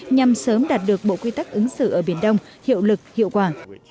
nhằm sớm đạt được bộ quy tắc ứng xử ở biển đông hiệu lực hiệu quả